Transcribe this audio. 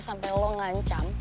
sampai lo ngancam